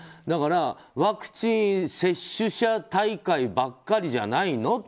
だから、ワクチン接種者大会ばかりじゃないの？